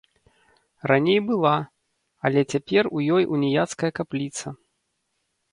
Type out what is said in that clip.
Раней была, але цяпер у ёй уніяцкая капліца.